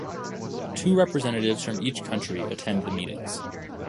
Two representatives from each country attend the meetings.